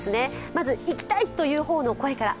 まず行きたいという方の声から。